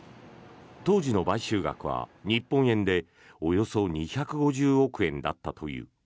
当時の買収額は日本円でおよそ２５０億円だったという。